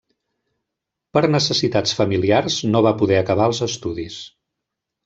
Per necessitats familiars, no va poder acabar els estudis.